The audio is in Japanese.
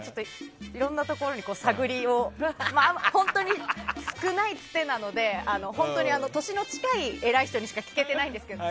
いろんなところに探りを少ないつてなので本当に年の近い偉い人にしか聞けていないんですけど。